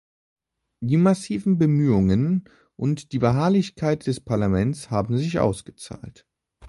Die massiven Bemühungen und die Beharrlichkeit des Parlaments haben sich ausgezahlt.